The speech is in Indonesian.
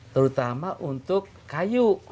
terutama untuk kayu